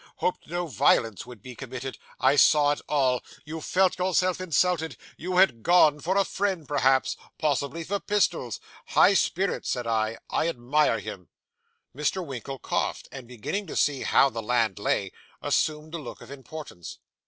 Hoped no violence would be committed. I saw it all. You felt yourself insulted. You had gone, for a friend perhaps. Possibly for pistols. "High spirit," said I. "I admire him."' Mr. Winkle coughed, and beginning to see how the land lay, assumed a look of importance.